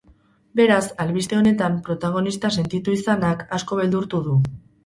Beraz, albiste honetan protagonista sentitu izanak, asko beldurtu du.